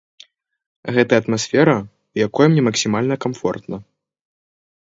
Гэта атмасфера, у якой мне максімальна камфортна.